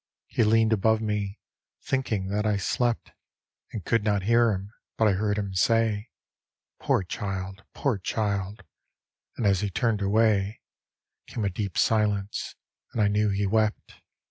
He leaned above me, thinking that I slept And could not hear him; but I heard him say, " Poor child, poor child ": and as he turned away Came a deep silence, and I knew he wept.